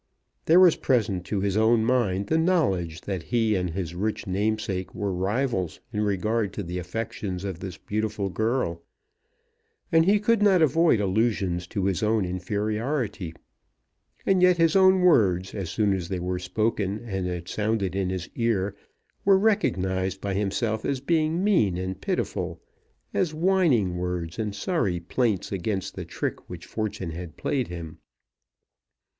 There was present to his own mind the knowledge that he and his rich namesake were rivals in regard to the affections of this beautiful girl, and he could not avoid allusions to his own inferiority. And yet his own words, as soon as they were spoken and had sounded in his ear, were recognised by himself as being mean and pitiful, as whining words, and sorry plaints against the trick which fortune had played him.